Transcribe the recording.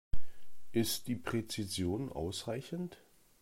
Ist die Präzision ausreichend?